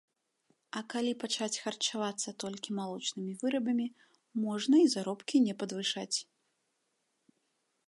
А калі пачаць харчавацца толькі малочнымі вырабамі, можна і заробкі не падвышаць.